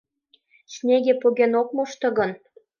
Снеге поген ок мошто гын